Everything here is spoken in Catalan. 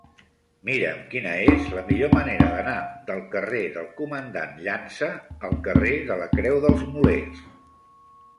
Mira'm quina és la millor manera d'anar del carrer del Comandant Llança al carrer de la Creu dels Molers.